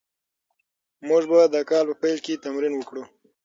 موږ به د کال په پیل کې تمرین وکړو.